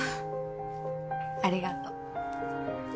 ありがと。